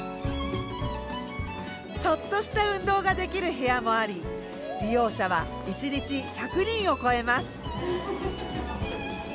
ちょっとした運動ができる部屋もあり利用者は一日１００人を超えます。